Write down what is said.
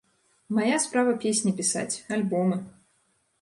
Мая справа песні пісаць, альбомы.